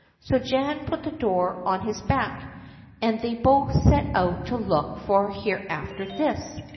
So Jan put the door on his back, and they both set out to look for Hereafterthis.